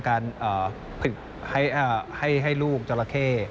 การพึกให้ลูกจอราเค้